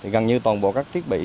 gần như toàn bộ các thiết bị